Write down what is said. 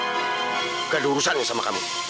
gak ada urusan sama kami